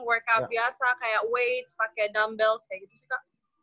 workout biasa kayak weights pake dumbbells kayak gitu sita